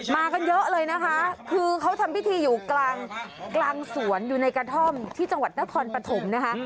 มากันเยอะเลยนะคะคือเขาทำพิธีอยู่กลางสวนอยู่ในกระท่อมที่จังหวัดนครปฐมนะคะ